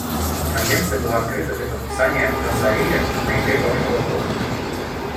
Конвенция была открыта для подписания в Браззавиле в ноябре прошлого года.